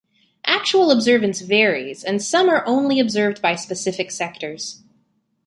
Actual observance varies, and some are only observed by specific sectors.